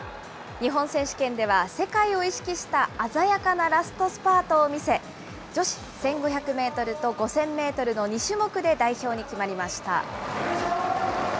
日本選手権では世界を意識した鮮やかなラストスパートを見せ、女子１５００メートルと５０００メートルの２種目で代表に決まりました。